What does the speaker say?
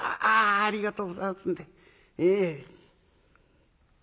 あありがとうございますんで。ええ」。